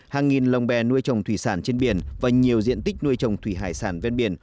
hàng nghìn lồng bè nuôi trồng thủy sản trên biển và nhiều diện tích nuôi trồng thủy hải sản ven biển